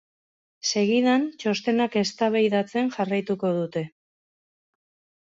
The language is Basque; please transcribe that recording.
Segidan, txostenak eztabaidatzen jarraituko dute.